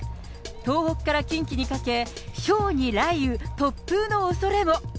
東北から近畿にかけ、ひょうに雷雨、突風のおそれも。